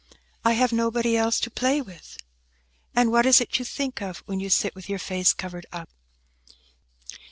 "I have nobody else to play with." "And what is it you think of when you sit with your face covered up?"